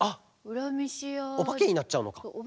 おばけになっちゃうのか。